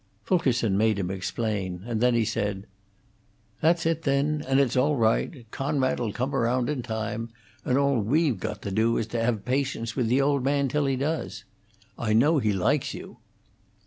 Fulkerson made him explain, and then he said: "That's it, then; and it's all right. Conrad 'll come round in time; and all we've got to do is to have patience with the old man till he does. I know he likes you."